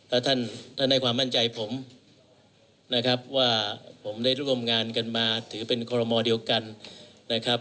แล้วท่านให้ความมั่นใจผมนะครับว่าผมได้ร่วมงานกันมาถือเป็นคอรมอเดียวกันนะครับ